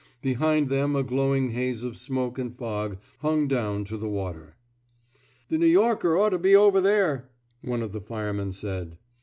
Behind them a glowing haze of smoke and fog hung down to the water. The N' Yorker ought to be over there, ^' one of the firemen said.